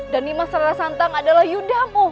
dan nimas rata santang adalah yudhamu